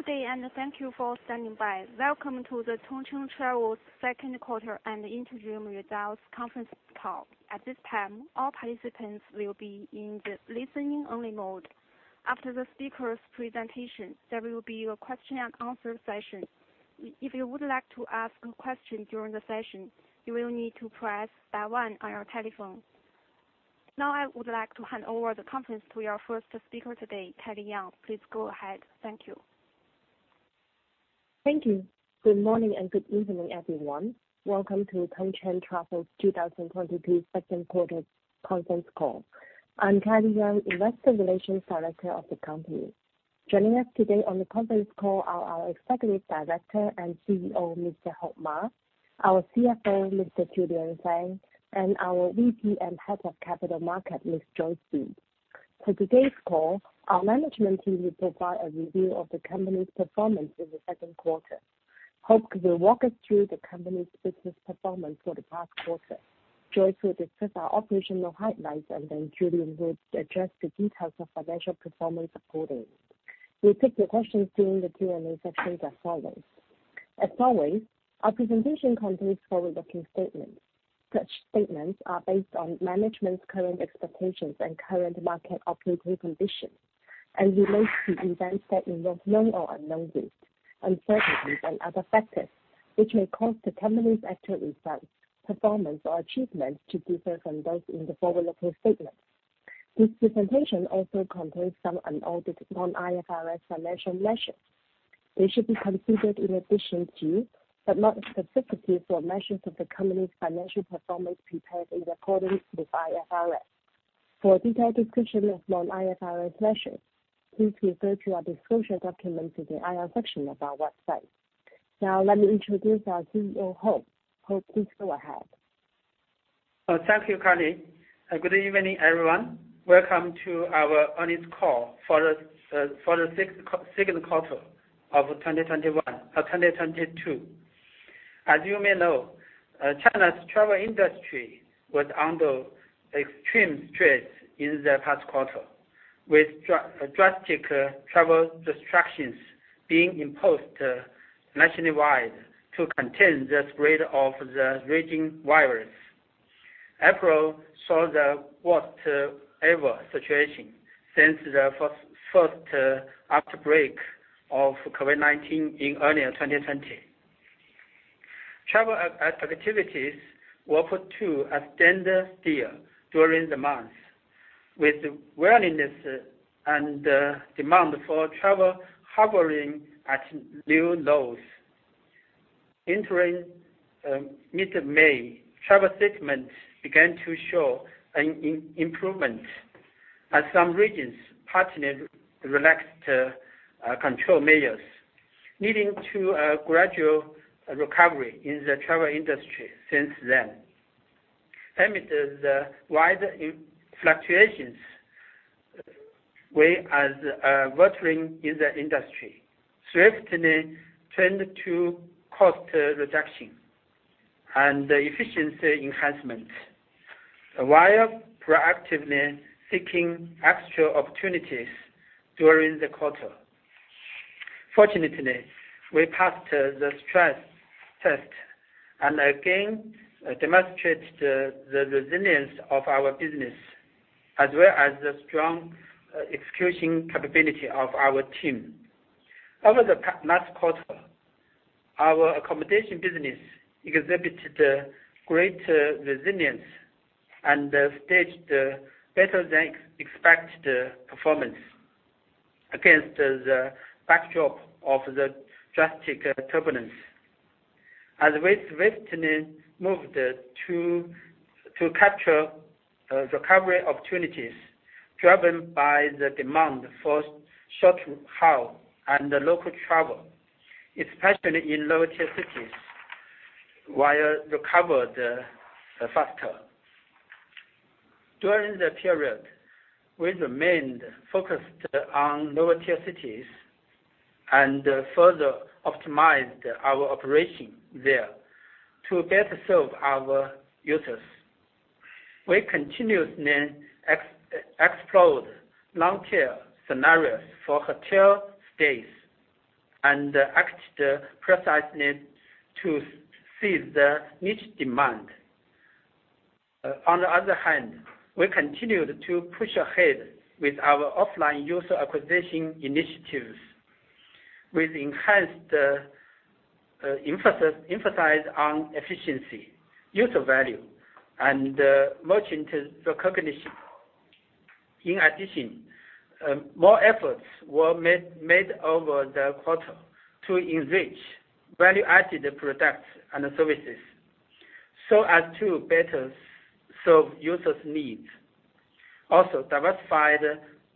Good day, and thank you for standing by. Welcome to the Tongcheng Travel's Second Quarter and Interim Results Conference Call. At this time, all participants will be in the listening only mode. After the speaker's presentation, there will be a question and answer session. If you would like to ask a question during the session, you will need to press star one on your telephone. Now, I would like to hand over the conference to our first speaker today, Kylie Yeung. Please go ahead. Thank you. Thank you. Good morning, and good evening, everyone. Welcome to Tongcheng Travel's 2022 Second Quarter Conference Call. I'm Kylie Yeung, Investor Relations Director of the company. Joining us today on the conference call are our Executive Director and CEO, Mr. Ma Heping, our CFO, Mr. Fan Lei, and our VP and Head of Capital Market, Ms. Joyce Li. For today's call, our management team will provide a review of the company's performance in the second quarter. Heping will walk us through the company's business performance for the past quarter. Joyce will discuss our operational highlights, and then Lei will address the details of financial performance accordingly. We'll take your questions during the Q&A session as follows. As always, our presentation contains forward-looking statements. Such statements are based on management's current expectations and current market operating conditions, and relates to events that involve known or unknown risks, uncertainties and other factors, which may cause the company's actual results, performance or achievements to differ from those in the forward-looking statements. This presentation also contains some unaudited non-IFRS financial measures. They should be considered in addition to, but not specifically for, measures of the company's financial performance prepared in accordance with IFRS. For a detailed description of non-IFRS measures, please refer to our disclosure document in the IR section of our website. Now, let me introduce our CEO, ma. Ma Heping, please go ahead. Thank you, Kylie. Good evening, everyone. Welcome to our earnings call for the second quarter of 2021, 2022. As you may know, China's travel industry was under extreme stress in the past quarter, with drastic travel restrictions being imposed nationwide to contain the spread of the raging virus. April saw the worst ever situation since the first outbreak of COVID-19 in early 2020. Travel activities were put to a standstill during the month, with willingness and demand for travel hovering at new lows. Entering mid-May, travel segments began to show an improvement as some regions partially relaxed control measures, leading to a gradual recovery in the travel industry since then. Amidst the wide fluctuations, we as a veteran in the industry, swiftly turned to cost reduction and efficiency enhancement, while proactively seeking extra opportunities during the quarter. Fortunately, we passed the stress test and again demonstrated the resilience of our business as well as the strong execution capability of our team. Over the last quarter, our accommodation business exhibited great resilience and staged better than expected performance against the backdrop of the drastic turbulence. As we swiftly moved to capture recovery opportunities driven by the demand for short haul and local travel, especially in lower tier cities, while recovered faster. During the period, we remained focused on lower tier cities and further optimized our operation there to better serve our users. We continuously explored long-term scenarios for hotel stays and acted precisely to seize the niche demand. On the other hand, we continued to push ahead with our offline user acquisition initiatives with enhanced emphasis on efficiency, user value and merchant recognition. In addition, more efforts were made over the quarter to enrich value-added products and services so as to better serve users' needs. Also, diversified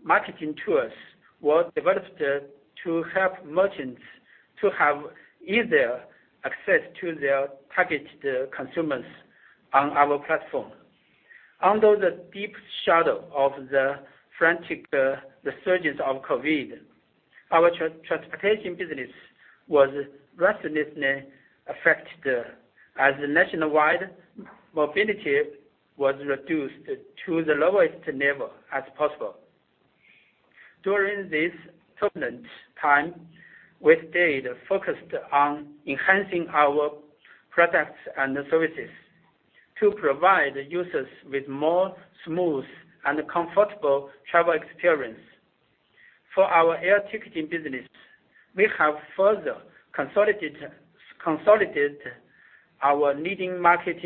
marketing tools were developed to help merchants to have easier access to their targeted consumers on our platform. Under the deep shadow of the frantic resurgence of COVID, our transportation business was drastically affected as nationwide mobility was reduced to the lowest level as possible. During this turbulent time, we stayed focused on enhancing our products and services to provide users with more smooth and comfortable travel experience. For our air ticketing business, we have further consolidated our leading market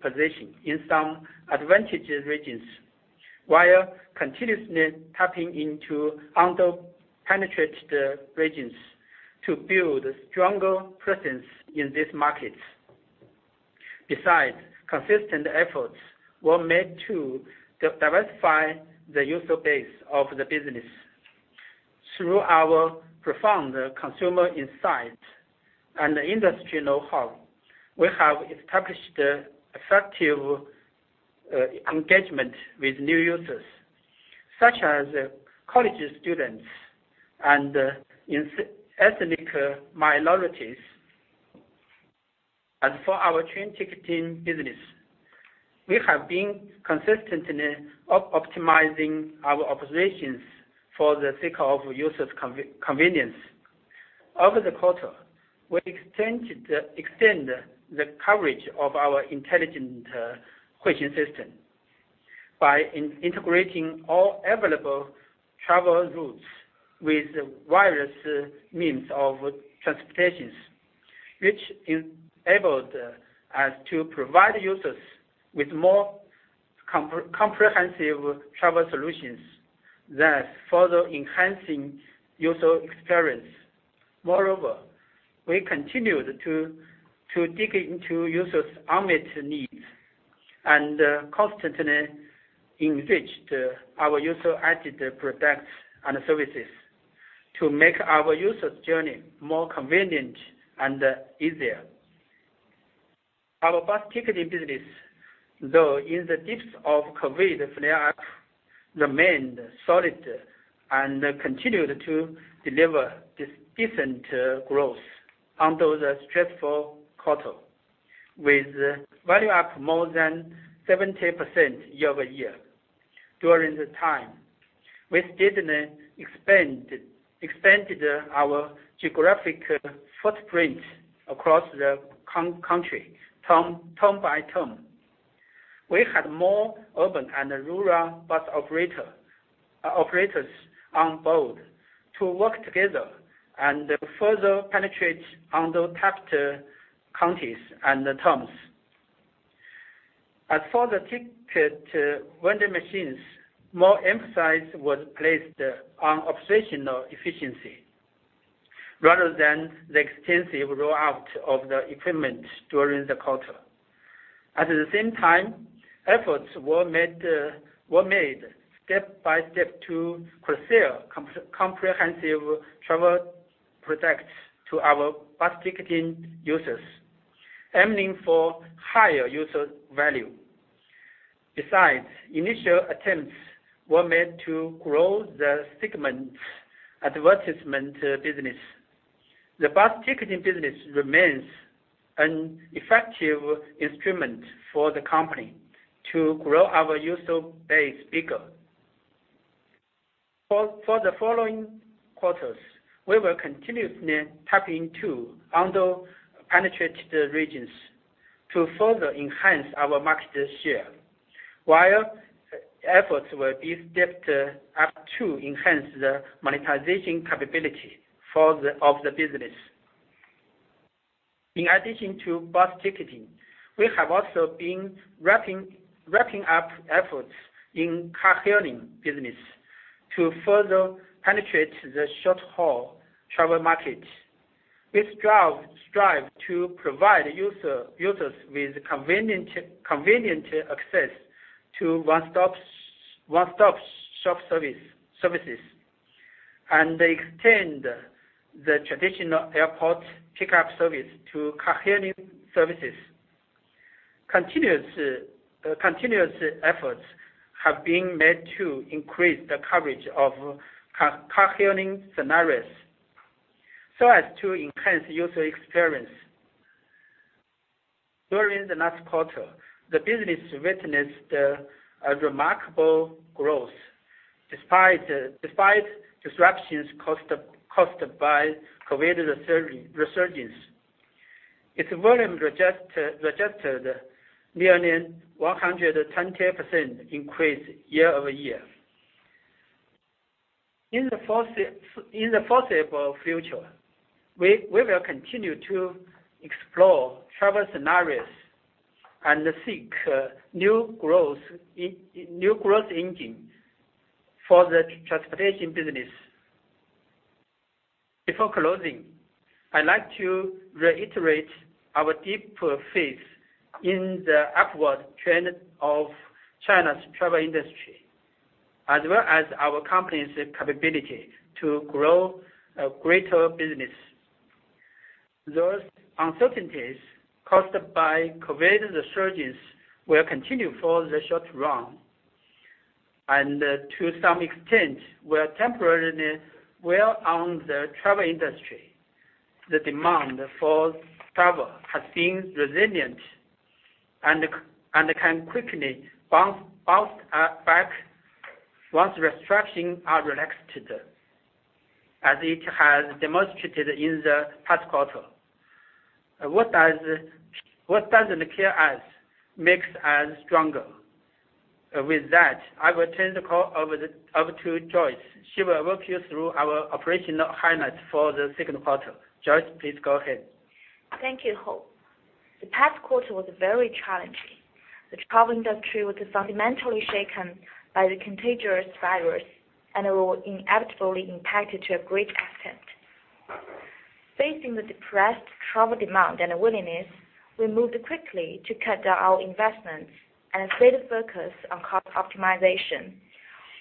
position in some advantageous regions, while continuously tapping into under-penetrated regions to build a stronger presence in these markets. Besides, consistent efforts were made to diversify the user base of the business. Through our profound consumer insight and industry know-how, we have established effective engagement with new users, such as college students and ethnic minorities. As for our train ticketing business, we have been consistently optimizing our operations for the sake of users' convenience. Over the quarter, we extended the coverage of our intelligent quotation system by integrating all available travel routes with various means of transportation, which enabled us to provide users with more comprehensive travel solutions, thus further enhancing user experience. Moreover, we continued to dig into users' unmet needs and constantly enriched our value-added products and services to make our users' journey more convenient and easier. Our bus ticketing business, though in the depths of COVID flare-up, remained solid and continued to deliver decent growth under the stressful quarter, with value up more than 70% year-over-year. During the time, we steadily expanded our geographic footprint across the country town by town. We had more urban and rural bus operators on board to work together and further penetrate under-tapped counties and towns. As for the ticket vending machines, more emphasis was placed on operational efficiency rather than the extensive rollout of the equipment during the quarter. At the same time, efforts were made step by step to pursue comprehensive travel products to our bus ticketing users, aiming for higher user value. Besides, initial attempts were made to grow the segment's advertisement business. The bus ticketing business remains an effective instrument for the company to grow our user base bigger. For the following quarters, we will continuously tap into under-penetrated regions to further enhance our market share, while efforts will be stepped up to enhance the monetization capability of the business. In addition to bus ticketing, we have also been wrapping up efforts in carpooling business to further penetrate the short-haul travel market. We strive to provide users with convenient access to one-stop-shop services, and extend the traditional airport pickup service to carpooling services. Continuous efforts have been made to increase the coverage of carpooling scenarios so as to enhance user experience. During the last quarter, the business witnessed a remarkable growth despite disruptions caused by COVID resurgence. Its volume registered nearly 110% increase year-over-year. In the foreseeable future, we will continue to explore travel scenarios and seek new growth engine for the transportation business. Before closing, I'd like to reiterate our deep faith in the upward trend of China's travel industry, as well as our company's capability to grow a greater business. Thus, uncertainties caused by COVID resurgence will continue for the short run. To some extent, we are temporarily weighed on the travel industry. The demand for travel has been resilient and can quickly bounce back once restrictions are relaxed, as it has demonstrated in the past quarter. What doesn't kill us makes us stronger. With that, I will turn the call over to Joyce. She will walk you through our operational highlights for the second quarter. Joyce, please go ahead. Thank you, Heping. The past quarter was very challenging. The travel industry was fundamentally shaken by the contagious virus, and it will inevitably impacted to a great extent. Facing the depressed travel demand and willingness, we moved quickly to cut down our investments and create a focus on cost optimization,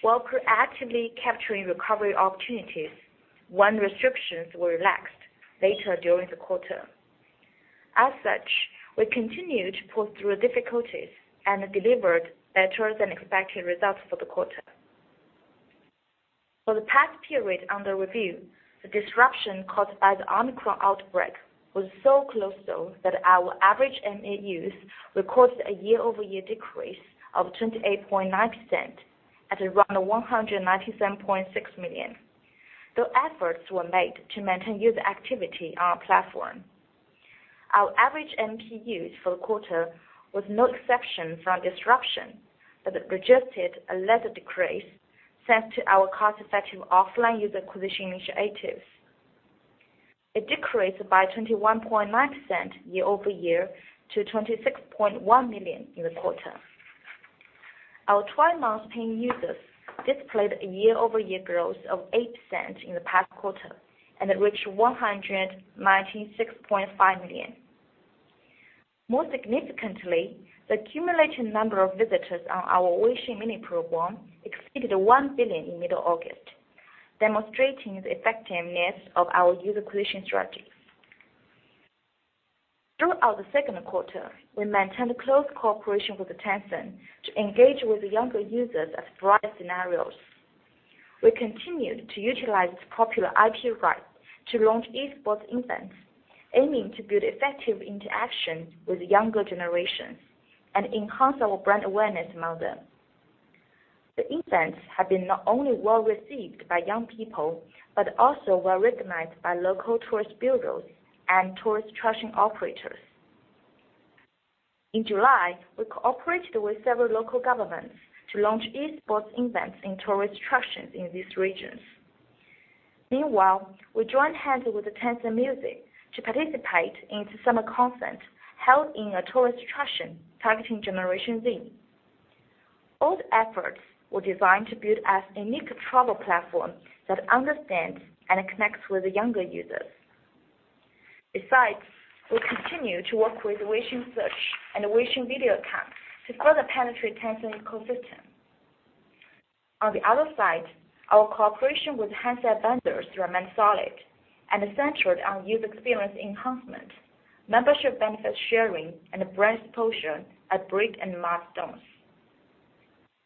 while proactively capturing recovery opportunities when restrictions were relaxed later during the quarter. As such, we continued to pull through difficulties and delivered better than expected results for the quarter. For the past period under review, the disruption caused by the Omicron outbreak was so colossal that our average MAUs recorded a year-over-year decrease of 28.9% at around 197.6 million. Though efforts were made to maintain user activity on our platform. Our average MPUs for the quarter was no exception from disruption, but it registered a lesser decrease, thanks to our cost-effective offline user acquisition initiatives. It decreased by 21.9% year-over-year to 26.1 million in the quarter. Our 12-month paying users displayed a year-over-year growth of 8% in the past quarter and reached 196.5 million. More significantly, the cumulative number of visitors on our Weixin mini program exceeded 1 billion in mid-August, demonstrating the effectiveness of our user acquisition strategies. Throughout the second quarter, we maintained close cooperation with Tencent to engage with the younger users in various scenarios. We continued to utilize its popular IP rights to launch eSports events, aiming to build effective interaction with the younger generations and enhance our brand awareness among them. The events have been not only well-received by young people, but also well-recognized by local tourist bureaus and tourist attraction operators. In July, we cooperated with several local governments to launch esports events in tourist attractions in these regions. Meanwhile, we joined hands with the Tencent Music to participate in the summer concert held in a tourist attraction targeting Generation Z. All the efforts were designed to build a unique travel platform that understands and connects with the younger users. Besides, we continue to work with Weixin Search and Weixin Video Account to further penetrate Tencent ecosystem. On the other side, our cooperation with handset vendors remain solid and centered on user experience enhancement, membership benefit sharing, and brand exposure at break and milestones.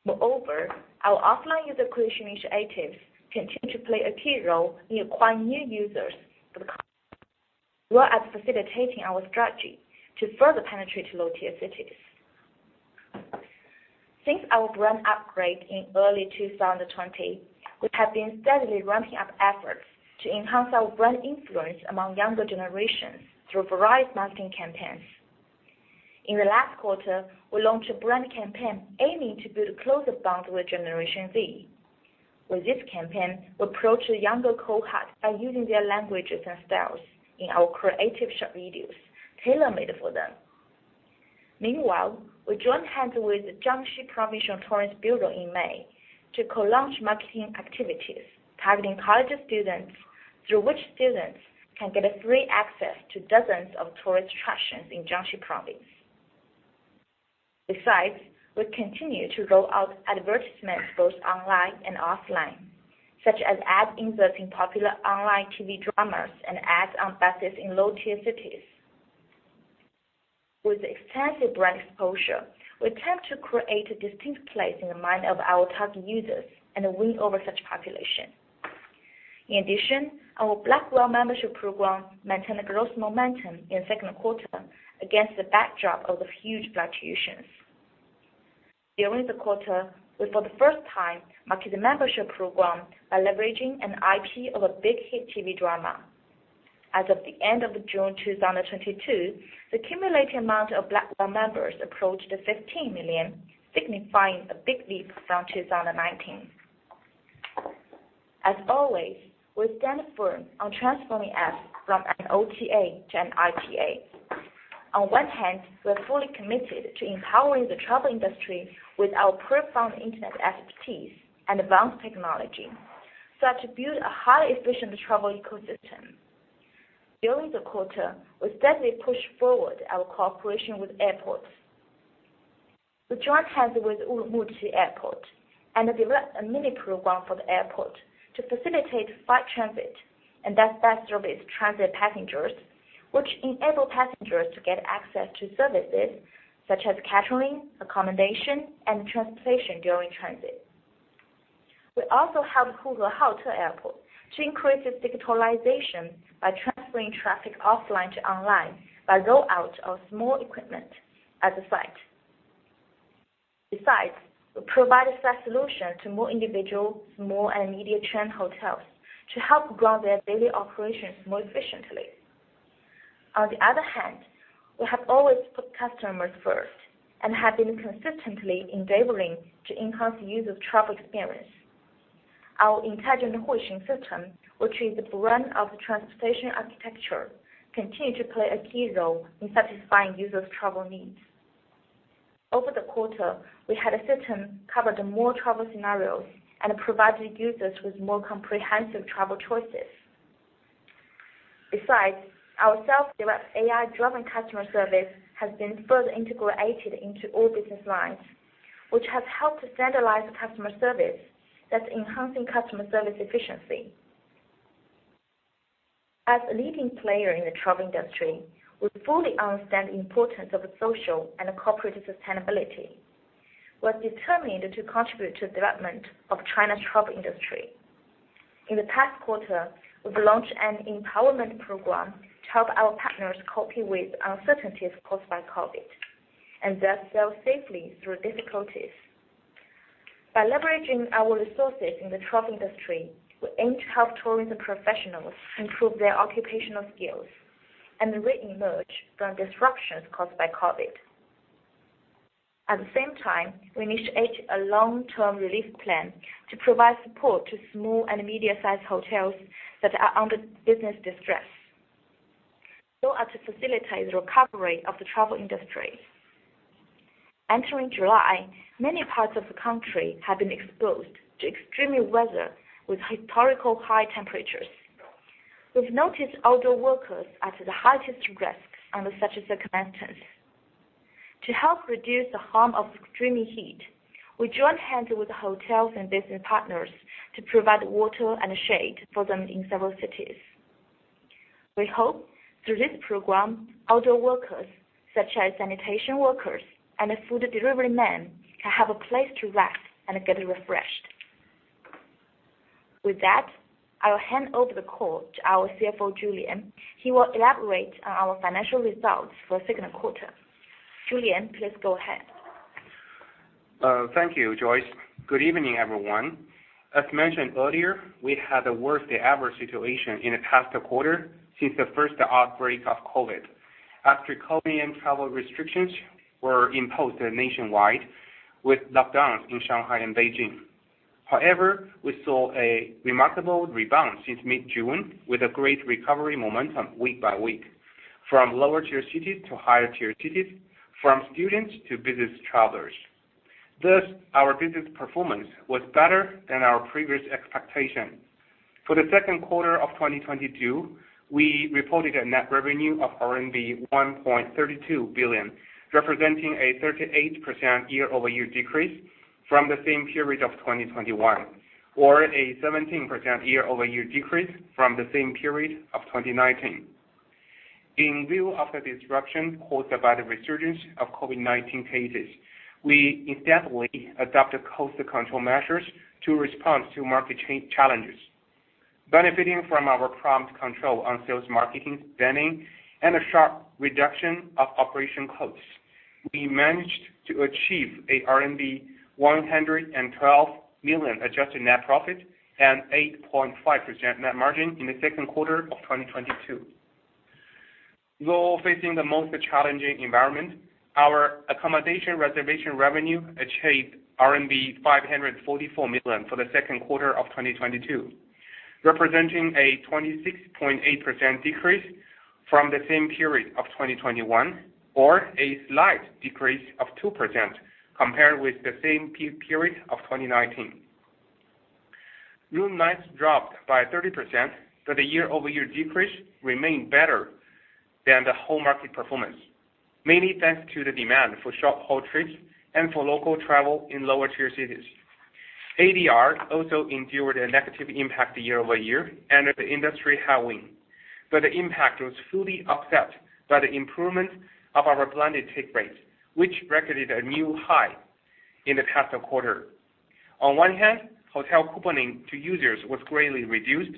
Moreover, our offline user acquisition initiatives continue to play a key role in acquiring new users while also facilitating our strategy to further penetrate low-tier cities. Since our brand upgrade in early 2020, we have been steadily ramping up efforts to enhance our brand influence among younger generations through various marketing campaigns. In the last quarter, we launched a brand campaign aiming to build a closer bond with Generation Z. With this campaign, we approach the younger cohort by using their languages and styles in our creative short videos, tailor-made for them. Meanwhile, we joined hands with Jiangxi Provincial Department of Culture and Tourism in May to co-launch marketing activities targeting college students through which students can get a free access to dozens of tourist attractions in Jiangxi Province. Besides, we continue to roll out advertisements both online and offline, such as ad inserts in popular online TV dramas and ads on buses in low-tier cities. With extensive brand exposure, we attempt to create a distinct place in the mind of our target users and win over such population. In addition, our Black Whale membership program maintained a growth momentum in the second quarter against the backdrop of the huge fluctuations. During the quarter, we, for the first time, market the membership program by leveraging an IP of a big hit TV drama. As of the end of June 2022, the cumulative amount of Black Whale members approached 15 million, signifying a big leap from 2019. As always, we stand firm on transforming us from an OTA to an ITA. On one hand, we are fully committed to empowering the travel industry with our profound internet expertise and advanced technology. To build a highly efficient travel ecosystem. During the quarter, we steadily pushed forward our cooperation with airports. We joined hands with Urumqi Airport and developed a mini program for the airport to facilitate flight transit and thus best service transit passengers, which enable passengers to get access to services such as catering, accommodation, and transportation during transit. We also helped Hulunbuir Hailar Airport to increase its digitalization by transferring traffic offline to online by roll out of small equipment at the site. Besides, we provide a platform solution to more individual, small- and medium-sized hotels to help grow their daily operations more efficiently. On the other hand, we have always put customers first and have been consistently enabling to enhance user travel experience. Our intelligent Huixing system, which is the brain of transportation architecture, continues to play a key role in satisfying users' travel needs. Over the quarter, our system has covered more travel scenarios and provided users with more comprehensive travel choices. Besides, our self-developed AI-driven customer service has been further integrated into all business lines, which has helped to standardize the customer service that's enhancing customer service efficiency. As a leading player in the travel industry, we fully understand the importance of social and corporate sustainability. We're determined to contribute to the development of China's travel industry. In the past quarter, we've launched an empowerment program to help our partners cope with uncertainties caused by COVID, and thus sail safely through difficulties. By leveraging our resources in the travel industry, we aim to help tourism professionals improve their occupational skills and re-emerge from disruptions caused by COVID. At the same time, we initiated a long-term relief plan to provide support to small and medium-sized hotels that are under business distress so as to facilitate the recovery of the travel industry. Entering July, many parts of the country have been exposed to extreme weather with historically high temperatures. We've noticed outdoor workers are at the highest risk under such circumstances. To help reduce the harm of extreme heat, we joined hands with hotels and business partners to provide water and shade for them in several cities. We hope through this program, outdoor workers such as sanitation workers and food delivery men can have a place to rest and get refreshed. With that, I'll hand over the call to our CFO Fan Lei, he will elaborate on our financial results for second quarter Fan Lei, please go ahead. Thank you, Joyce. Good evening, everyone. As mentioned earlier, we had the worst-ever situation in the past quarter since the first outbreak of COVID, after COVID and travel restrictions were imposed nationwide with lockdowns in Shanghai and Beijing. However, we saw a remarkable rebound since mid-June with a great recovery momentum week by week, from lower-tier cities to higher-tier cities, from students to business travelers. Thus, our business performance was better than our previous expectation. For the second quarter of 2022, we reported a net revenue of RMB 1.32 billion, representing a 38% year-over-year decrease from the same period of 2021, or a 17% year-over-year decrease from the same period of 2019. In view of the disruption caused by the resurgence of COVID-19 cases, we instantly adopted closer control measures to respond to market challenges. Benefiting from our prompt control on sales and marketing spending and a sharp reduction of operating costs, we managed to achieve a 112 million adjusted net profit and 8.5% net margin in the second quarter of 2022. Though facing the most challenging environment, our accommodation reservation revenue achieved RMB 544 million for the second quarter of 2022, representing a 26.8% decrease from the same period of 2021, or a slight decrease of 2% compared with the same period of 2019. Room nights dropped by 30%, but the year-over-year decrease remained better than the whole market performance, mainly thanks to the demand for short-haul trips and for local travel in lower-tier cities. ADR also endured a negative impact year-over-year and at the industry halving, but the impact was fully offset by the improvement of our blended take rate, which recorded a new high in the past quarter. On one hand, hotel couponing to users was greatly reduced.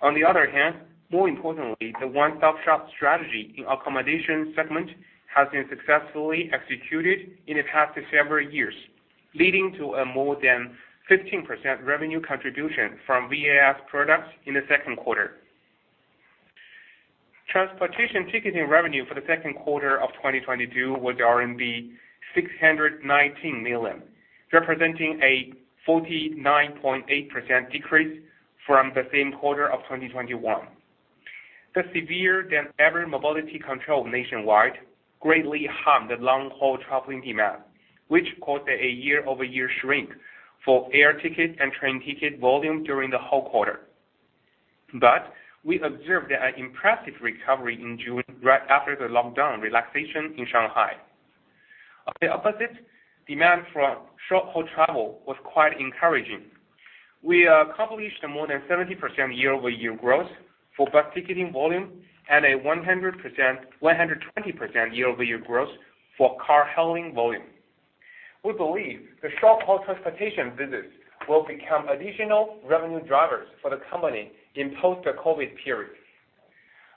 On the other hand, more importantly, the one-stop-shop strategy in accommodation segment has been successfully executed in the past several years, leading to a more than 15% revenue contribution from VAS products in the second quarter. Transportation ticketing revenue for the second quarter of 2022 was RMB 619 million, representing a 49.8% decrease from the same quarter of 2021. The more severe than ever mobility control nationwide greatly harmed the long-haul traveling demand, which caused a year-over-year shrink for air ticket and train ticket volume during the whole quarter. We observed an impressive recovery in June right after the lockdown relaxation in Shanghai. On the opposite, demand for short-haul travel was quite encouraging. We accomplished more than 70% year-over-year growth for bus ticketing volume and 100%-120% year-over-year growth for car hailing volume. We believe the short-haul transportation business will become additional revenue drivers for the company in post-COVID period.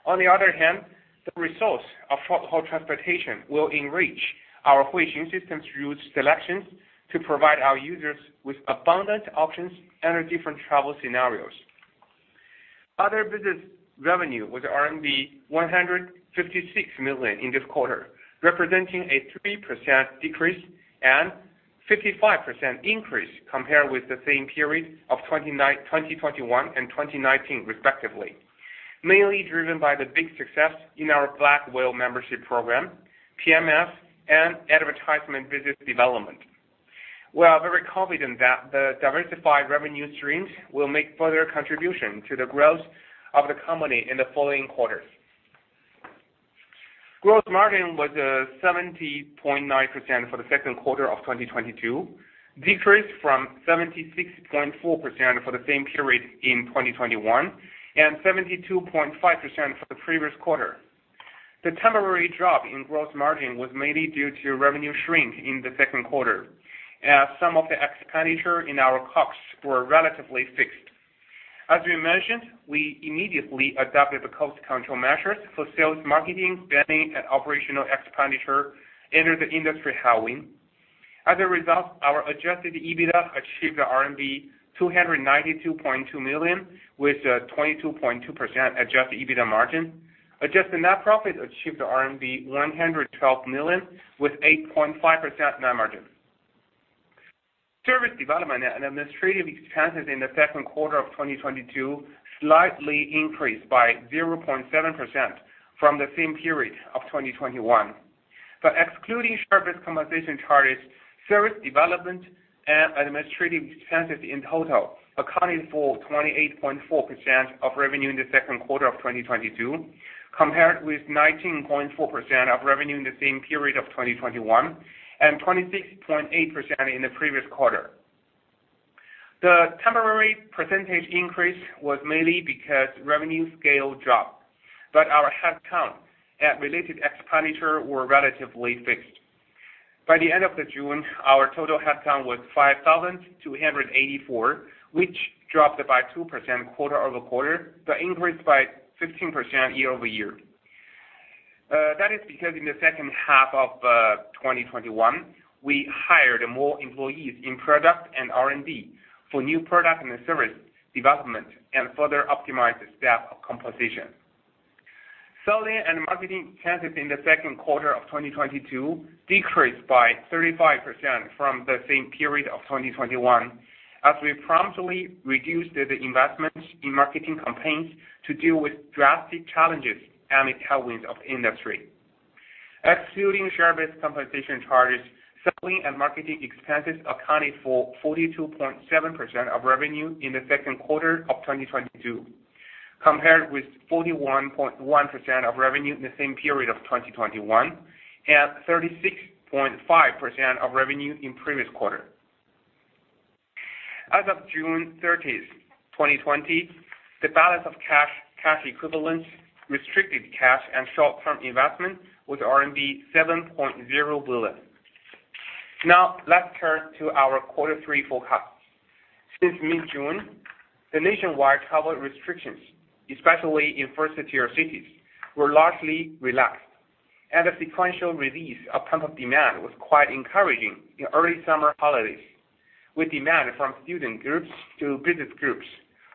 On the other hand, the results of short-haul transportation will enrich our Huixing system route selections to provide our users with abundant options under different travel scenarios. Other business revenue was 156 million in this quarter, representing a 3% decrease and 55% increase compared with the same period of 2021 and 2019 respectively, mainly driven by the big success in our Black Whale membership program, PMS, and advertisement business development. We are very confident that the diversified revenue streams will make further contribution to the growth of the company in the following quarters. Gross margin was 70.9% for the second quarter of 2022, decreased from 76.4% for the same period in 2021, and 72.5% for the previous quarter. The temporary drop in gross margin was mainly due to revenue shrink in the second quarter, as some of the expenditure in our costs were relatively fixed. As we mentioned, we immediately adopted the cost control measures for sales, marketing, spending, and operational expenditure under the industry halving. As a result, our Adjusted EBITDA achieved RMB 292.2 million, with a 22.2% Adjusted EBITDA margin. Adjusted net profit achieved RMB 112 million with 8.5% net margin. Service development and administrative expenses in the second quarter of 2022 slightly increased by 0.7% from the same period of 2021. Excluding share-based compensation charges, service development and administrative expenses in total accounted for 28.4% of revenue in the second quarter of 2022, compared with 19.4% of revenue in the same period of 2021, and 26.8% in the previous quarter. The temporary percentage increase was mainly because revenue scale dropped, but our headcount and related expenditure were relatively fixed. By the end of June, our total headcount was 5,284, which dropped by 2% quarter-over-quarter, but increased by 15% year-over-year. That is because in the second half of 2021, we hired more employees in product and R&D for new product and service development and further optimize the staff composition. Selling and marketing expenses in the second quarter of 2022 decreased by 35% from the same period of 2021, as we promptly reduced the investments in marketing campaigns to deal with drastic challenges and the headwinds of industry. Excluding share-based compensation charges, selling and marketing expenses accounted for 42.7% of revenue in the second quarter of 2022, compared with 41.1% of revenue in the same period of 2021, and 36.5% of revenue in previous quarter. As of June 30, 2020, the balance of cash equivalents, restricted cash and short-term investment was RMB 7.0 billion. Now, let's turn to our quarter three forecast. Since mid-June, the nationwide travel restrictions, especially in first-tier cities, were largely relaxed, and the sequential release of pent-up demand was quite encouraging in early summer holidays, with demand from student groups to business groups,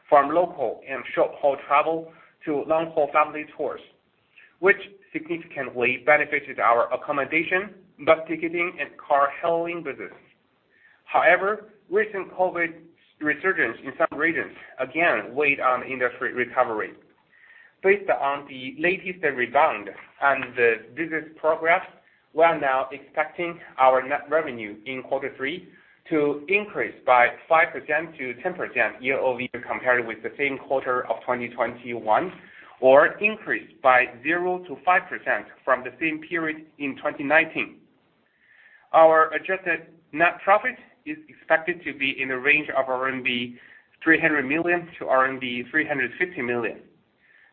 from local and short-haul travel to long-haul family tours, which significantly benefited our accommodation, bus ticketing, and car hailing business. However, recent COVID resurgence in some regions again weighed on industry recovery. Based on the latest rebound and the business progress, we are now expecting our net revenue in quarter three to increase by 5%-10% year-over-year compared with the same quarter of 2021, or increase by 0%-5% from the same period in 2019. Our adjusted net profit is expected to be in the range of 300 million-350 million RMB.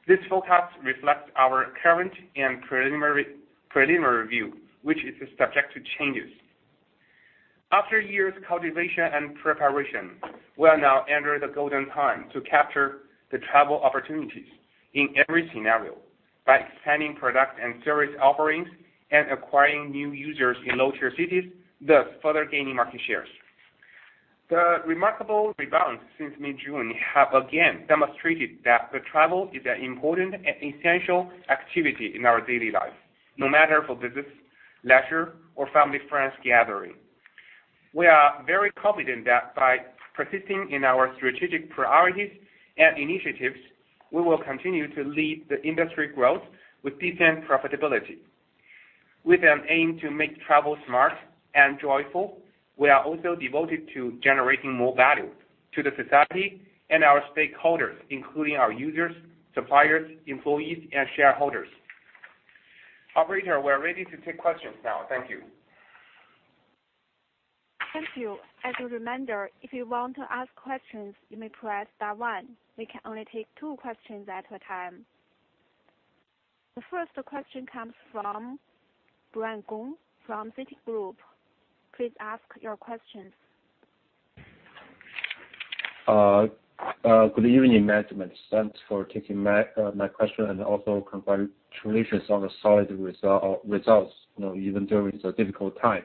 This forecast reflects our current and preliminary view, which is subject to changes. After years of cultivation and preparation, we are now entering the golden time to capture the travel opportunities in every scenario by expanding product and service offerings and acquiring new users in low-tier cities, thus further gaining market shares. The remarkable rebounds since mid-June have again demonstrated that the travel is an important and essential activity in our daily life, no matter for business, leisure, or family friends gathering. We are very confident that by persisting in our strategic priorities and initiatives, we will continue to lead the industry growth with decent profitability. With an aim to make travel smart and joyful, we are also devoted to generating more value. To the society and our stakeholders, including our users, suppliers, employees, and shareholders. Operator, we are ready to take questions now. Thank you. Thank you. As a reminder, if you want to ask questions, you may press star one. We can only take two questions at a time. The first question comes from Brian Gong from Citigroup. Please ask your questions. Good evening, management. Thanks for taking my question and also congratulations on the solid results, you know, even during the difficult time.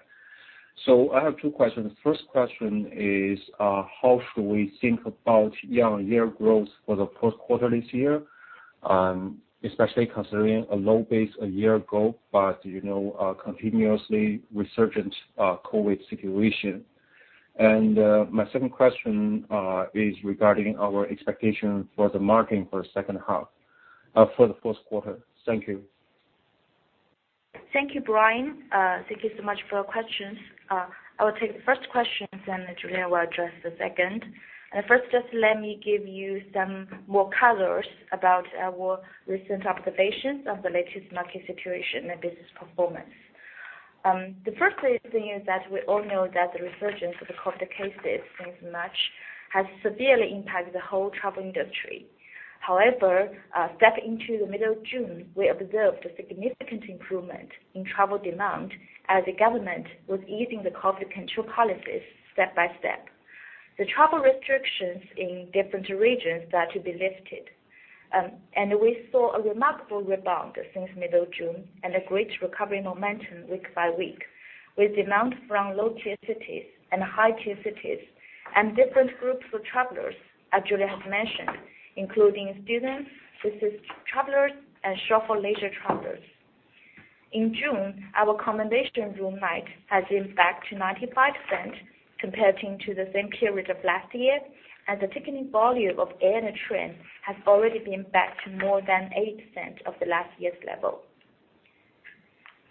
I have two questions. First question is, how should we think about year-on-year growth for the first quarter this year, especially considering a low base a year ago, but, you know, a continuously resurgent COVID situation? My second question is regarding our expectation for the marketing for second half for the first quarter. Thank you. Thank you, Brian. Thank you so much for your questions. I will take the first question, Fan Lei will address the second. First, just let me give you some more colors about our recent observations of the latest market situation and business performance. The first thing is that we all know that the resurgence of the COVID cases since March has severely impacted the whole travel industry. However, step into the middle of June, we observed a significant improvement in travel demand as the government was easing the COVID control policies step by step. The travel restrictions in different regions started to be lifted. We saw a remarkable rebound since middle June and a great recovery momentum week by week, with demand from low-tier cities and high-tier cities and different groups of travelers, as Fan Lei has mentioned, including students, business travelers, and short leisure travelers. In June, our accommodation room night has been back to 95% compared to the same period of last year, and the ticketing volume of air and train has already been back to more than 8% of the last year's level.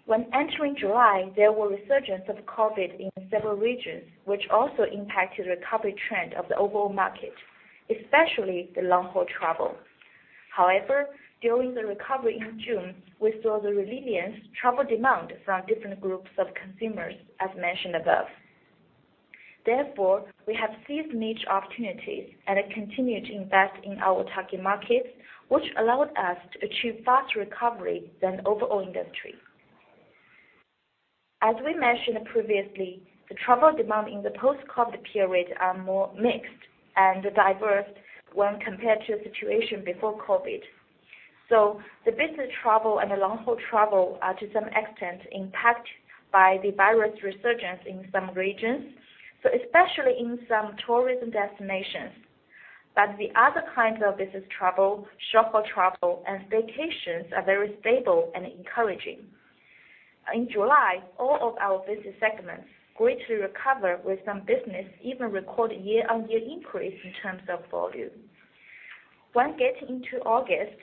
When entering July, there were resurgence of COVID in several regions which also impacted recovery trend of the overall market, especially the long-haul travel. However, during the recovery in June, we saw the resilient travel demand from different groups of consumers as mentioned above. Therefore, we have seized niche opportunities and continue to invest in our target markets, which allowed us to achieve faster recovery than overall industry. As we mentioned previously, the travel demand in the post-COVID period are more mixed and diverse when compared to the situation before COVID. The business travel and the long-haul travel are, to some extent, impacted by the virus resurgence in some regions, so especially in some tourism destinations. The other kinds of business travel, short-haul travel, and staycations are very stable and encouraging. In July, all of our business segments greatly recover with some business even record year-on-year increase in terms of volume. When getting into August,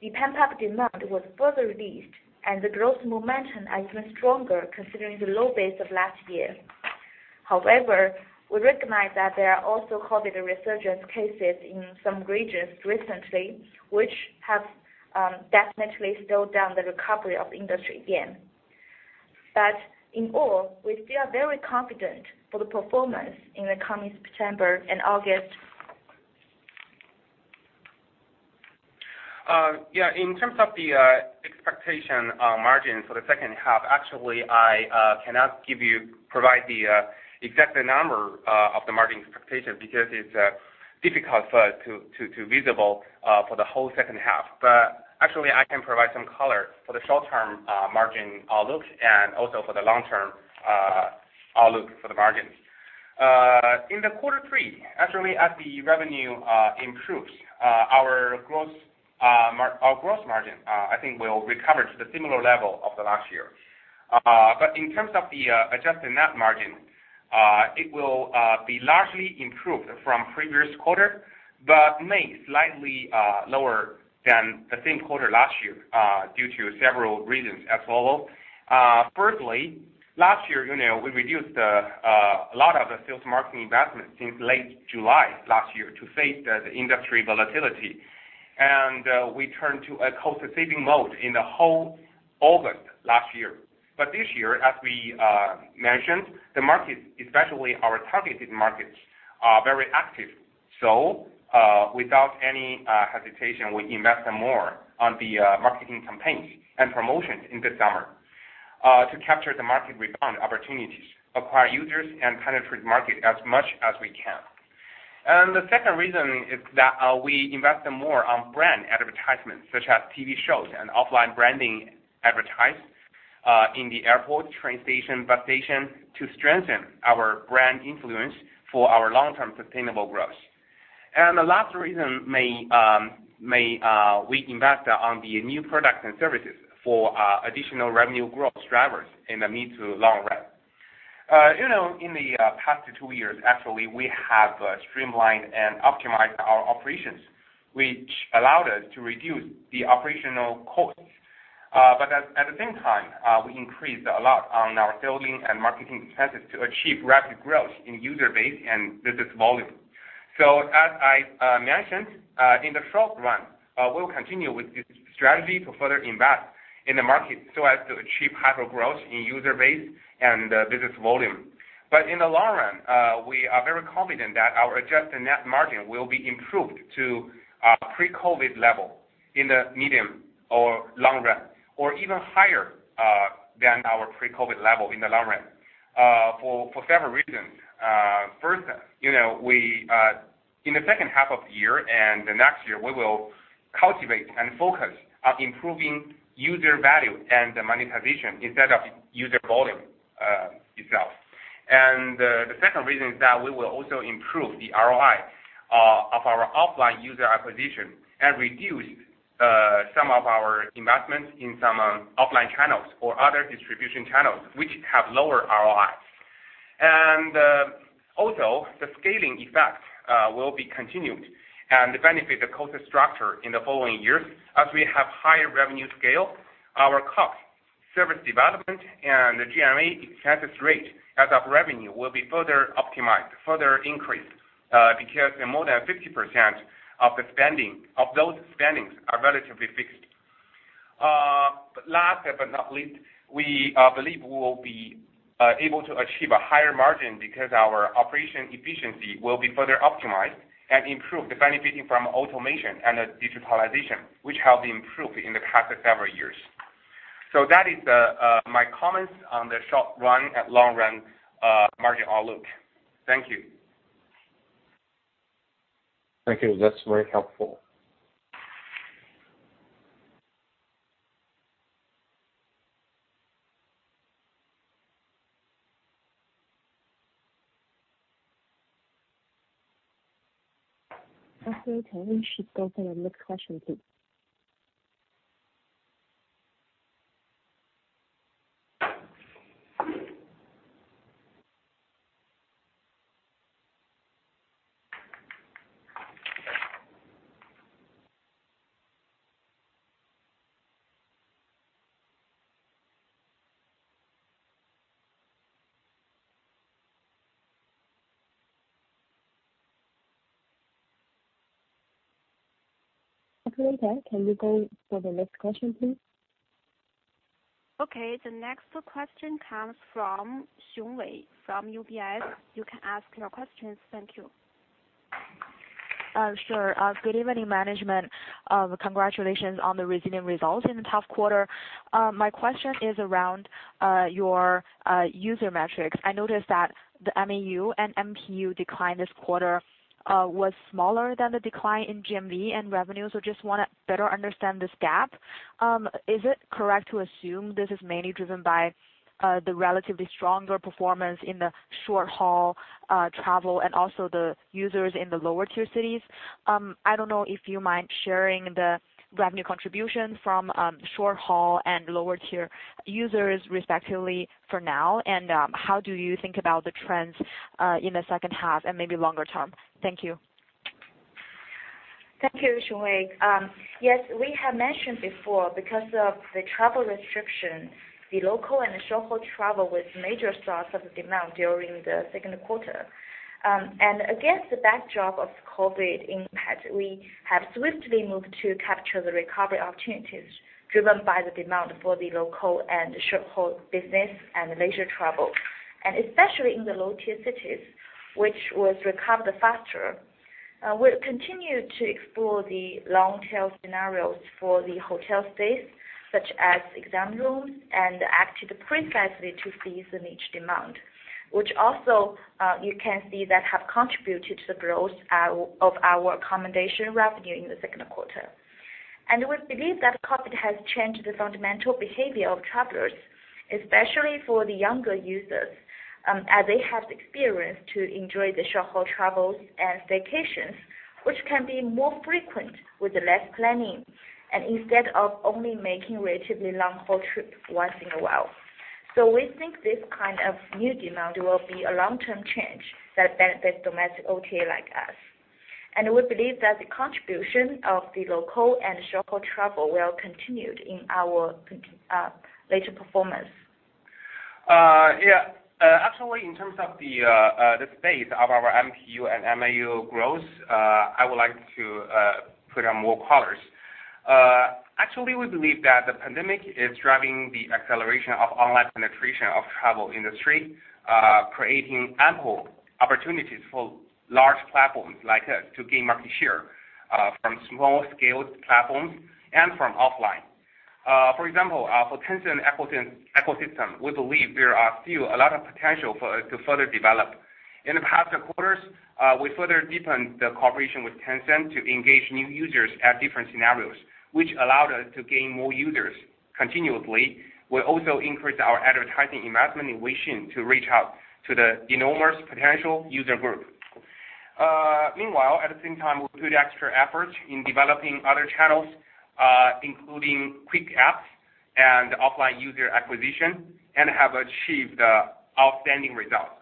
the pent-up demand was further released and the growth momentum is even stronger considering the low base of last year. However, we recognize that there are also COVID resurgence cases in some regions recently, which have definitely slowed down the recovery of industry again. In all, we feel very confident for the performance in the coming September and August. Yeah, in terms of the margin expectation for the second half, actually, I cannot provide the exact number of the margin expectation because it's difficult for us to have visibility for the whole second half. Actually, I can provide some color for the short-term margin outlook and also for the long-term outlook for the margins. In quarter three, actually, as the revenue improves, our growth margin I think will recover to a similar level of the last year. In terms of the adjusted net margin, it will be largely improved from previous quarter, but may slightly lower than the same quarter last year due to several reasons as follows. Firstly, last year, you know, we reduced a lot of the sales marketing investment since late July last year to face the industry volatility. We turned to a cost-saving mode in the whole August last year. This year, as we mentioned, the market, especially our targeted markets, are very active. Without any hesitation, we invested more on the marketing campaign and promotions in the summer to capture the market rebound opportunities, acquire users, and penetrate market as much as we can. The second reason is that we invested more on brand advertisements, such as TV shows and offline branding advertising in the airport, train station, bus station, to strengthen our brand influence for our long-term sustainable growth. The last reason is we invest in the new products and services for additional revenue growth drivers in the mid to long run. You know, in the past two years, actually, we have streamlined and optimized our operations, which allowed us to reduce the operational costs. At the same time, we increased a lot in our selling and marketing expenses to achieve rapid growth in user base and business volume. As I mentioned, in the short run, we'll continue with this strategy to further invest in the market so as to achieve hypergrowth in user base and business volume. In the long run, we are very confident that our adjusted net margin will be improved to pre-COVID level in the medium or long run, or even higher than our pre-COVID level in the long run, for several reasons. First, you know, we in the second half of the year and the next year will cultivate and focus on improving user value and the monetization instead of user volume itself. The second reason is that we will also improve the ROI of our offline user acquisition and reduce some of our investments in some offline channels or other distribution channels which have lower ROI. Also the scaling effect will be continued and benefit the cost structure in the following years. As we have higher revenue scale, our cost, service development, and the G&A expenses rate as of revenue will be further optimized, further increased, because more than 50% of the spending, of those spendings are relatively fixed. Last but not least, we believe we will be able to achieve a higher margin because our operation efficiency will be further optimized and improve the benefiting from automation and the digitalization, which have improved in the past several years. That is my comments on the short run and long run margin outlook. Thank you. Thank you. That's very helpful. Operator, we should go for the next question, please. Operator, can you go for the next question, please? Okay. The next question comes from Wei Xiong from UBS. You can ask your questions. Thank you. Sure. Good evening, management. Congratulations on the resilient results in the tough quarter. My question is around your user metrics. I noticed that the MAU and MPU decline this quarter was smaller than the decline in GMV and revenue, so just wanna better understand this gap. Is it correct to assume this is mainly driven by the relatively stronger performance in the short-haul travel and also the users in the lower-tier cities? I don't know if you mind sharing the revenue contribution from short-haul and lower-tier users respectively for now, and how do you think about the trends in the second half and maybe longer term? Thank you. Thank you, Wei Xiong. Yes, we have mentioned before, because of the travel restriction, the local and short-haul travel was major source of demand during the second quarter. Against the backdrop of COVID impact, we have swiftly moved to capture the recovery opportunities driven by the demand for the local and short-haul business and leisure travel, and especially in the low-tier cities, which was recovered faster. We'll continue to explore the long-tail scenarios for the hotel stays, such as exam rooms, and act precisely to seize the niche demand, which also, you can see that have contributed to the growth, of our accommodation revenue in the second quarter. We believe that COVID has changed the fundamental behavior of travelers, especially for the younger users, as they have the experience to enjoy the short-haul travels and staycations, which can be more frequent with less planning, and instead of only making relatively long-haul trip once in a while. We think this kind of new demand will be a long-term change that benefit domestic OTA like us. We believe that the contribution of the local and short-haul travel will continued in our later performance. Actually, in terms of the space of our MPU and MAU growth, I would like to put on more colors. Actually, we believe that the pandemic is driving the acceleration of online penetration of travel industry, creating ample opportunities for large platforms like us to gain market share from small-scaled platforms and from offline. For example, for Tencent ecosystem, we believe there are still a lot of potential for us to further develop. In the past quarters, we further deepened the cooperation with Tencent to engage new users at different scenarios, which allowed us to gain more users continually. We also increased our advertising investment in Weixin to reach out to the enormous potential user group. Meanwhile, at the same time, we put extra efforts in developing other channels, including quick apps and offline user acquisition, and have achieved outstanding results.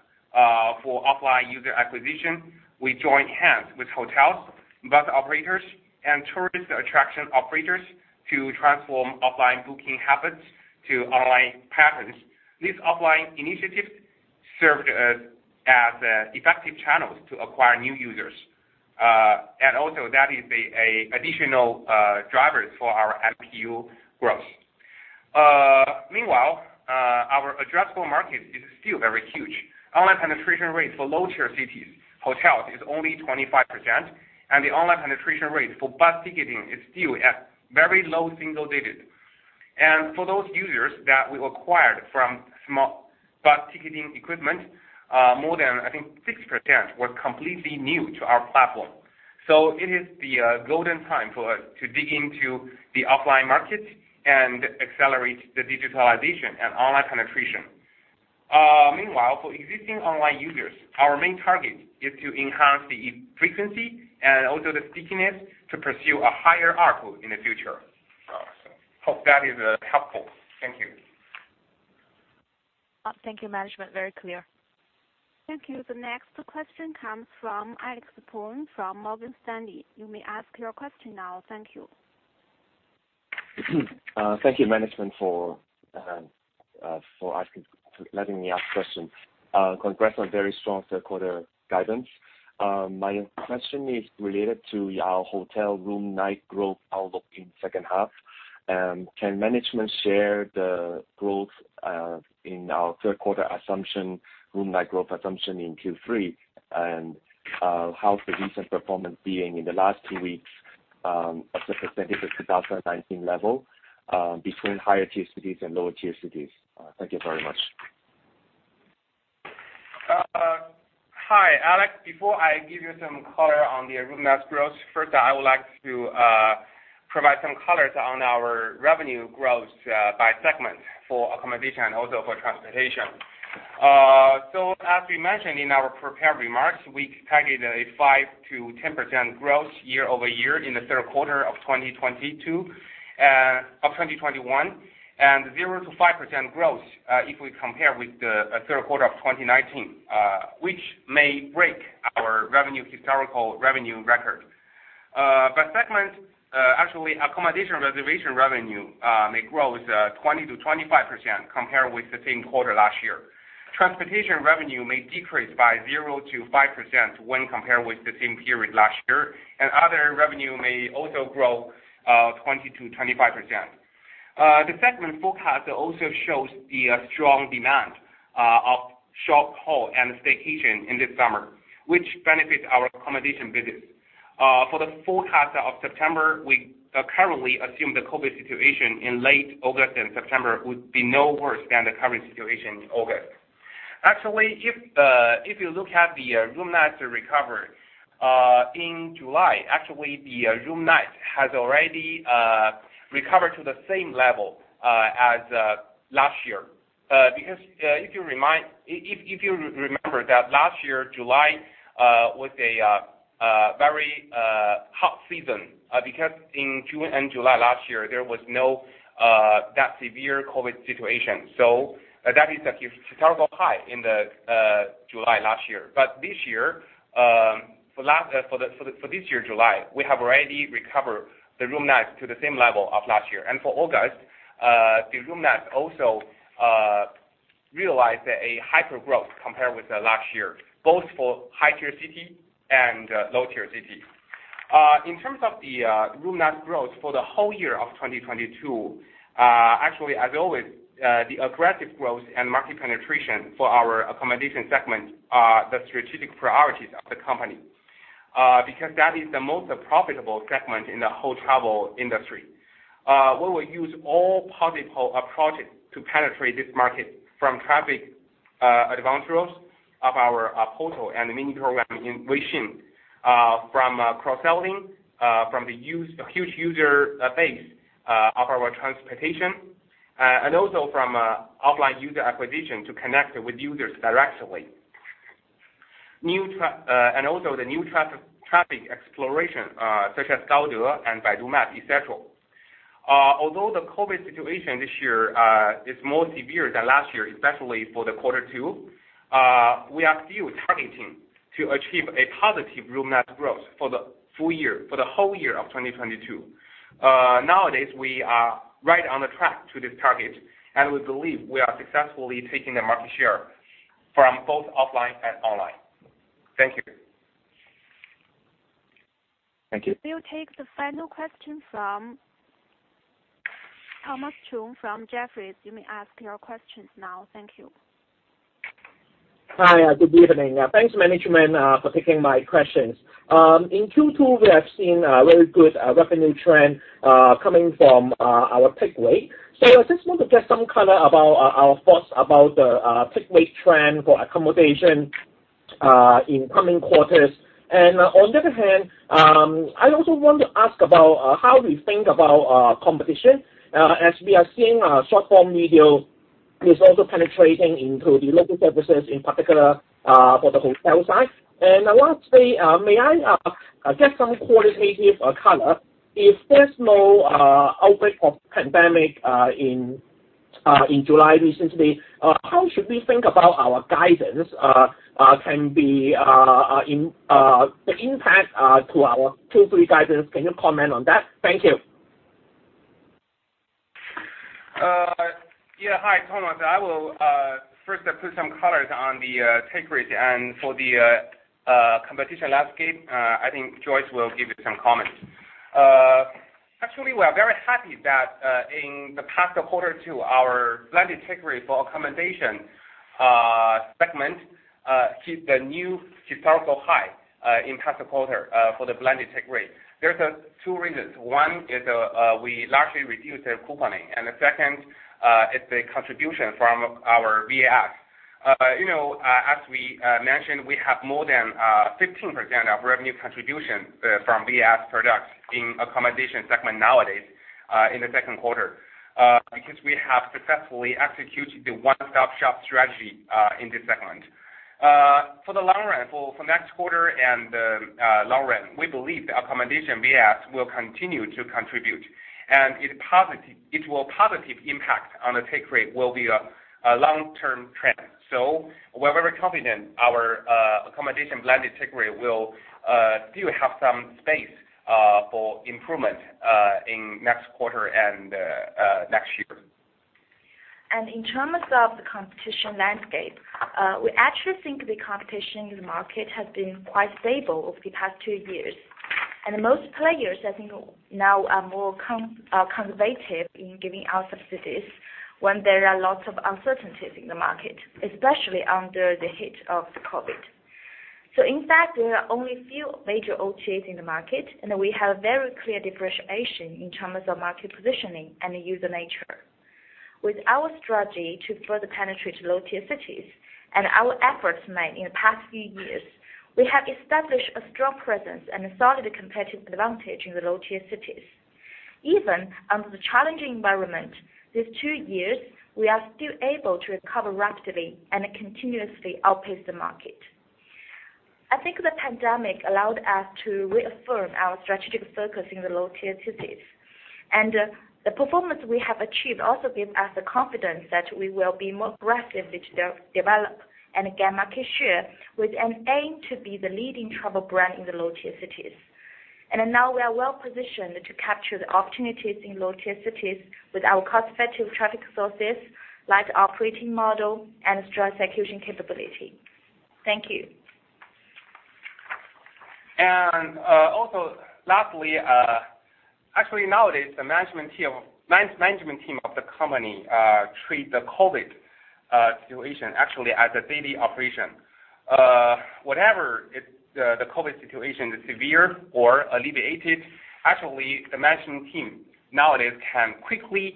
For offline user acquisition, we join hands with hotels, bus operators, and tourist attraction operators to transform offline booking habits to online patterns. These offline initiatives served as effective channels to acquire new users, and also that is an additional driver for our MPU growth. Meanwhile, our addressable market is still very huge. Online penetration rates for low-tier cities hotels is only 25%, and the online penetration rate for bus ticketing is still at very low single digits. For those users that we acquired from small bus ticketing equipment, more than, I think, 60% were completely new to our platform. It is the golden time for us to dig into the offline market and accelerate the digitalization and online penetration. Meanwhile, for existing online users, our main target is to enhance the frequency and also the stickiness to pursue a higher ARPU in the future. Hope that is helpful. Thank you. Thank you, management. Very clear. Thank you. The next question comes from Alex Poon from Morgan Stanley. You may ask your question now. Thank you. Thank you, management, for letting me ask questions. Congrats on very strong third quarter guidance. My question is related to your hotel room night growth outlook in second half. Can management share the growth in our third quarter assumption, room night growth assumption in Q3? How's the recent performance being in the last two weeks, as a percentage of 2019 level, between higher tier cities and lower tier cities? Thank you very much. Hi, Alex. Before I give you some color on the room nights growth, first I would like to provide some colors on our revenue growth by segment for accommodation and also for transportation. As we mentioned in our prepared remarks, we targeted a 5%-10% growth year-over-year in the third quarter of 2022 of 2021, and 0%-5% growth if we compare with the third quarter of 2019, which may break our revenue historical revenue record. By segment, actually accommodation reservation revenue may grow with 20%-25% compared with the same quarter last year. Transportation revenue may decrease by 0%-5% when compared with the same period last year, and other revenue may also grow 20%-25%. The segment forecast also shows the strong demand of short-haul and staycation in this summer, which benefits our accommodation business. For the forecast of September, we currently assume the COVID situation in late August and September would be no worse than the current situation in August. Actually, if you look at the room nights recovery in July, actually the room night has already recovered to the same level as last year. Because if you remember that last year, July was a very hot season because in June and July last year, there was not that severe COVID situation. That is a historical high in July last year. This year, for this year, July, we have already recovered the room nights to the same level of last year. For August, the room nights also realized a hypergrowth compared with the last year, both for high-tier city and low-tier city. In terms of the room night growth for the whole year of 2022, actually, as always, the aggressive growth and market penetration for our accommodation segment are the strategic priorities of the company, because that is the most profitable segment in the whole travel industry. We will use all possible approaches to penetrate this market from traffic advantage routes of our portal and mini program in Weixin, from cross-selling, from the huge user base of our transportation, and also from offline user acquisition to connect with users directly, and also the new traffic exploration such as Gaode Maps and Baidu Maps, etc. Although the COVID situation this year is more severe than last year, especially for quarter two, we are still targeting to achieve a positive room night growth for the whole year of 2022. Nowadays, we are right on the track to this target, and we believe we are successfully taking the market share from both offline and online. Thank you. Thank you. We'll take the final question from Thomas Chong from Jefferies. You may ask your questions now. Thank you. Hi. Good evening. Thanks, management, for taking my questions. In Q2, we have seen a very good revenue trend coming from our takeaway. I just want to get some color about our thoughts about the takeaway trend for accommodation in coming quarters. On the other hand, I also want to ask about how we think about our competition as we are seeing short-form video is also penetrating into the local services in particular for the hotel side. I want to say, may I get some qualitative color if there's no outbreak of pandemic in July recently, how should we think about our guidance can be in the impact to our two, three guidance? Can you comment on that? Thank you. Hi, Thomas. I will first put some colors on the take rate and for the competition landscape. I think Joyce will give you some comments. Actually, we are very happy that in the past quarter our blended take rate for accommodation segment hit the new historical high in past quarter for the blended take rate. There's two reasons. One is we largely reduced the couponing, and the second is the contribution from our VAS. You know, as we mentioned, we have more than 15% of revenue contribution from VAS products in accommodation segment nowadays in the second quarter because we have successfully executed the one-stop-shop strategy in this segment. For the long run, for next quarter and long run, we believe the accommodation VAS will continue to contribute, and it will positive impact on the take rate will be a long-term trend. We're very confident our accommodation blended take rate will still have some space for improvement in next quarter and next year. In terms of the competition landscape, we actually think the competition in the market has been quite stable over the past two years. Most players, I think, now are more conservative in giving out subsidies when there are lots of uncertainties in the market, especially under the hit of the COVID. In fact, there are only few major OTAs in the market, and we have very clear differentiation in terms of market positioning and the user nature. With our strategy to further penetrate low-tier cities and our efforts made in the past few years, we have established a strong presence and a solid competitive advantage in the low-tier cities. Even under the challenging environment these two years, we are still able to recover rapidly and continuously outpace the market. I think the pandemic allowed us to reaffirm our strategic focus in the low-tier cities. The performance we have achieved also gives us the confidence that we will be more aggressive with the development and gain market share with an aim to be the leading travel brand in the low-tier cities. Now we are well-positioned to capture the opportunities in low-tier cities with our cost-effective traffic sources, light operating model, and strong execution capability. Thank you. Actually nowadays, the management team of the company treats the COVID situation actually as a daily operation. Whatever the COVID situation is severe or alleviated, actually, the management team nowadays can quickly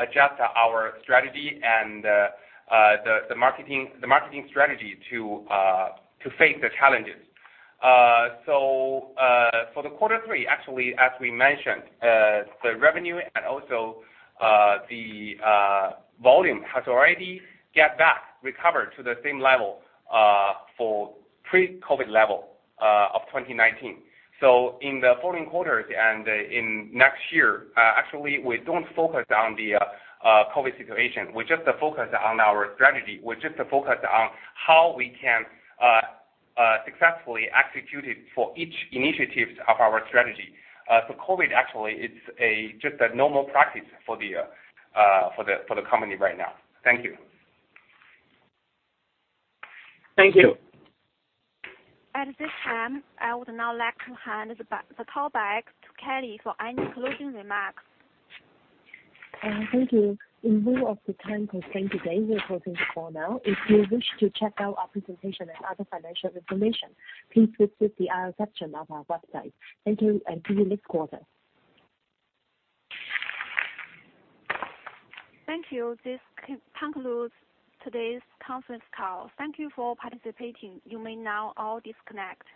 adjust our strategy and the marketing strategy to face the challenges. For quarter three, actually, as we mentioned, the revenue and also the volume has already recovered to the same level for pre-COVID level of 2019. In the following quarters and in next year, actually we don't focus on the COVID situation. We just focus on our strategy. We just focus on how we can successfully execute it for each initiatives of our strategy. COVID actually is just a normal practice for the company right now. Thank you. Thank you. At this time, I would now like to hand the call back to Kylie Yeung for any closing remarks. Thank you. In view of the time constraint today, we're closing the call now. If you wish to check out our presentation and other financial information, please visit the IR section of our website. Thank you, and see you next quarter. Thank you. This concludes today's conference call. Thank you for participating. You may now all disconnect.